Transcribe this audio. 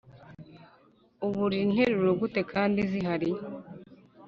Ubura interuro gute kandi zihari